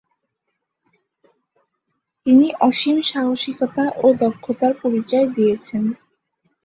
তিনি অসীম সাহসিকতা ও দক্ষতার পরিচয় দিয়েছেন।